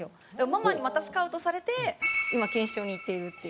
ママにまたスカウトされて今錦糸町に行っているっていう。